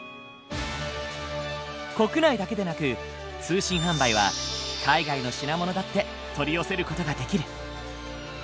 国内だけでなく通信販売は海外の品物だって取り寄せる事ができる。